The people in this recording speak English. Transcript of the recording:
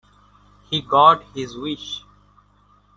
He got his wish.